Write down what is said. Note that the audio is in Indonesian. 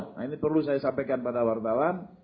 nah ini perlu saya sampaikan pada wartawan